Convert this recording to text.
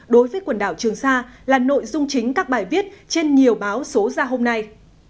đối với quần đảo trường sa là nội dung chính các bài viết trên nhiều báo số ra hôm nay